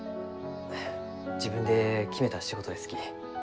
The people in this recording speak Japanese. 自分で決めた仕事ですき。